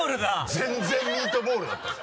全然ミートボールだったぞ。